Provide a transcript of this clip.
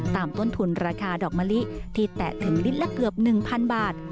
ต้นทุนราคาดอกมะลิที่แตะถึงลิตรละเกือบ๑๐๐๐บาท